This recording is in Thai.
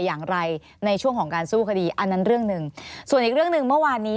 อย่างไรในช่วงของการสู้คดีอันนั้นเรื่องหนึ่งส่วนอีกเรื่องหนึ่งเมื่อวานนี้